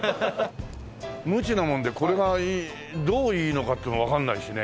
無知なものでこれがどういいのかってのがわかんないしね。